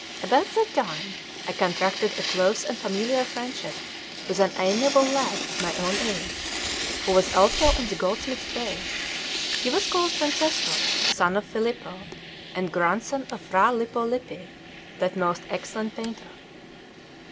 About that time I contracted a close and familiar friendship with an amiable lad of my own age, who was also in the goldsmith's trade. He was called Francesco, son of Filippo, and grandson of Fra Lippo Lippi, that most excellent painter.